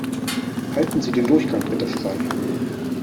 Halten Sie den Durchgang bitte frei!